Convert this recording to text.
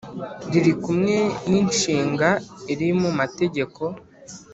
riri kumwe ninshinga iri mu mategeko